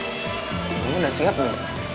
kamu udah siap bu